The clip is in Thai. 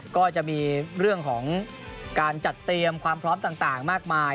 ก็จะมีเรื่องของการจัดเตรียมความพร้อมต่างมากมาย